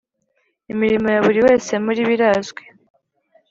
imirimo ya buri wese muri bo irazwi